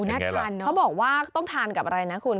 อุ๊ยน่าทานเนอะยังไงล่ะเขาบอกว่าต้องทานกับอะไรนะคุณ